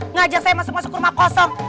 ngajak saya masuk masuk ke rumah kosong